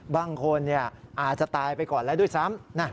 บางคนอาจจะตายไปก่อนแล้วด้วยซ้ำ